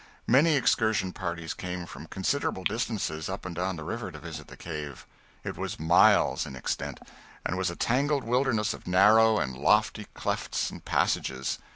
Many excursion parties came from considerable distances up and down the river to visit the cave. It was miles in extent, and was a tangled wilderness of narrow and lofty clefts and passages.